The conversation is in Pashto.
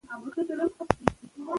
ژبه د ادب او ښکلا سرچینه ده.